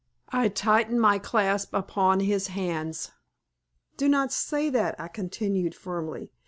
I tightened my clasp upon his hands. "Do not say that," I continued, firmly.